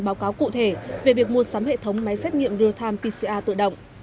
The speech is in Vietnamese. báo cáo cụ thể về việc mua sắm hệ thống máy xét nghiệm real time pcr tự động